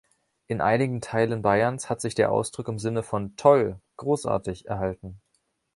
In einigen Teilen Bayerns hat sich der Ausdruck im Sinne von „toll, großartig“ erhalten.